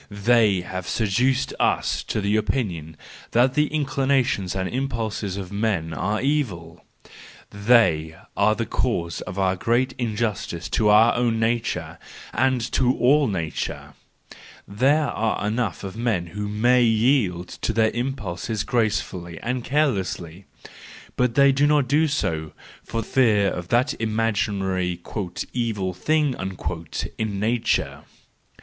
They have seduced us to the opinion that the inclinations and impulses of men are evil; they are the cause of our great injustice to our own nature, and to all nature! There are enough of men who may yield to their impulses gracefully and carelessly: but they do not do so, for fear of that imaginary " evil thing " in nature!